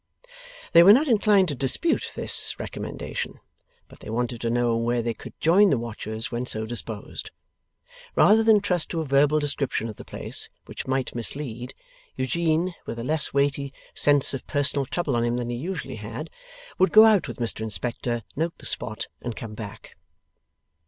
They were not inclined to dispute this recommendation, but they wanted to know where they could join the watchers when so disposed. Rather than trust to a verbal description of the place, which might mislead, Eugene (with a less weighty sense of personal trouble on him than he usually had) would go out with Mr Inspector, note the spot, and come back.